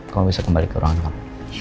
kamu bisa kembali ke ruangan kamu